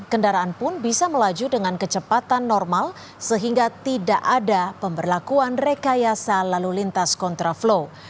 kendaraan pun bisa melaju dengan kecepatan normal sehingga tidak ada pemberlakuan rekayasa lalu lintas kontraflow